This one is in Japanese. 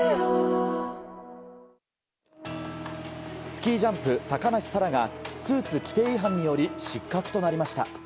スキージャンプ、高梨沙羅がスーツ規定違反により失格となりました。